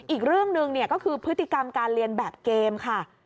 อีกเรื่องหนึ่งก็คือพฤติกรรมการเรียนแบบเกมค่ะ